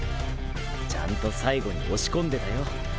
ちゃんと最後に押し込んでたよ。